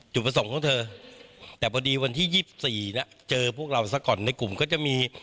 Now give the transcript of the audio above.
จุดประสงค์ของเธอแต่พอดีวันที่๒๔เจอพวกเราซะก่อนในกลุ่มก็จะมี